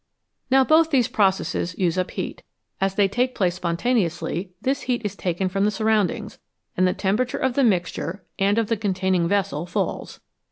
Now both these processes use up heat ; as they take place spontaneously, this heat is taken from the surround ings, and the temperature of the mixture and of the con taining vessel falls.